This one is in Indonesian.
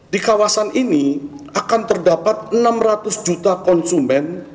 di kawasan ini akan terdapat enam ratus juta konsumen